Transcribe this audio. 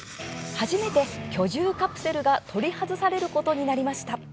初めて居住カプセルが取り外されることになりました。